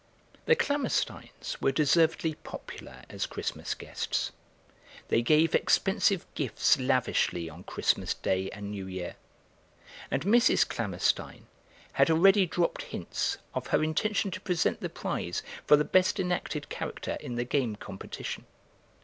The Klammersteins were deservedly popular as Christmas guests; they gave expensive gifts lavishly on Christmas Day and New Year, and Mrs. Klammerstein had already dropped hints of her intention to present the prize for the best enacted character in the game competition.